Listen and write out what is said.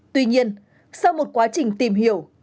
tuy nhiên sau một quá trình tìm hiểu